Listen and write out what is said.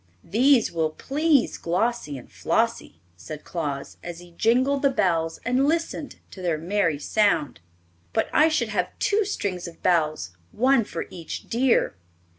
"These will please Glossie and Flossie," said Claus, as he jingled the bells and listened to their merry sound. "But I should have two strings of bells, one for each deer."